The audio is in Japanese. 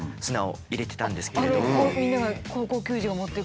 みんなが高校球児が持っていくあの砂？